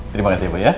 terima kasih bu ya